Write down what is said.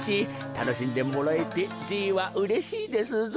たのしんでもらえてじいはうれしいですぞ。